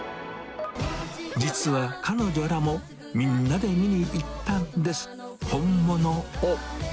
実は彼女らも、みんなで見に行ったんです、本物を。